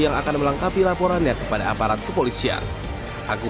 yang akan melengkapi laporannya kepada aparat kepolisian